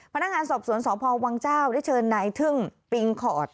พนักงานสอบสวนสพวังเจ้าได้เชิญนายทึ่งปิงคอร์ด